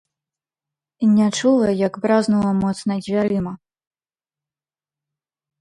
Не чула, як бразнула моцна дзвярыма.